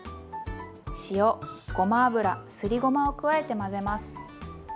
塩ごま油すりごまを加えて混ぜます。